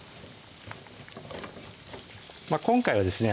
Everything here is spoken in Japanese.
今回はですね